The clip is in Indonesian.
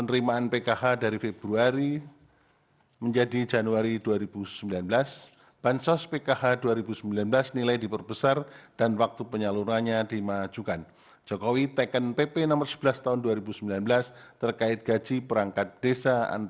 rapelan kenaikan gaji pns